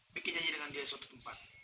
bikin nyanyi dengan dia suatu tempat